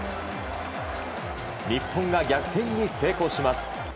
日本が逆転に成功します。